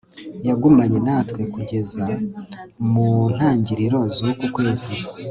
yagumanye natwe kugeza mu ntangiriro z'uku kwezi